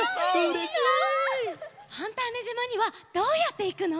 ファンターネじまにはどうやっていくの？